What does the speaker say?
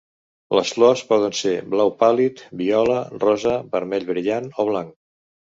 Les flors poden ser blau pàl·lid, viola, rosa, vermell brillant o blanc.